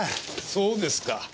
そうですか。